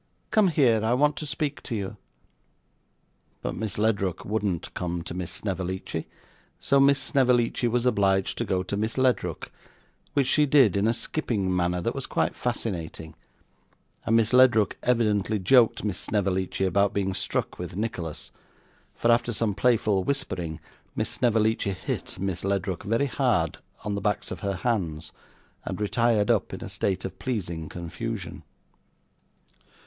Come here! I want to speak to you.' But Miss Ledrook wouldn't come to Miss Snevellicci, so Miss Snevellicci was obliged to go to Miss Ledrook, which she did, in a skipping manner that was quite fascinating; and Miss Ledrook evidently joked Miss Snevellicci about being struck with Nicholas; for, after some playful whispering, Miss Snevellicci hit Miss Ledrook very hard on the backs of her hands, and retired up, in a state of pleasing confusion.